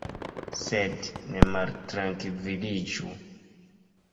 Sed ne maltrankviliĝu.